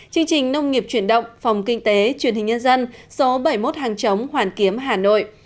chương trình nông nghiệp chuyển động phòng kinh tế truyền hình nhân dân số bảy mươi một hàng chống hoàn kiếm hà nội